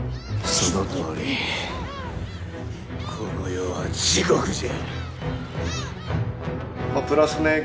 そのとおりこの世は地獄じゃ！